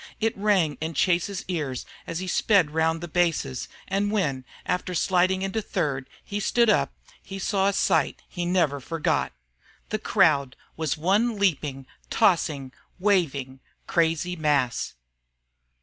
It rang in Chase's ears as he sped round the bases, and when, after sliding into third, he stood up, he saw a sight he never forgot. The crowd was one leaping, tossing, waving, Crazy mass.